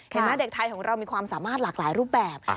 เห็นไหมเด็กไทยของเรามีความสามารถหลากหลายรูปแบบ